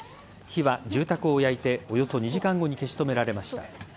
火は住宅を焼いておよそ２時間後に消し止められました。